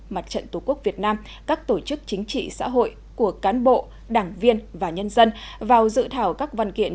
mặt trận tổ quốc việt nam các tổ chức chính trị xã hội của cán bộ đảng viên và nhân dân vào dự thảo các văn kiện